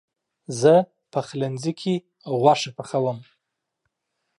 زه پخلنځي کې غوښه پخوم.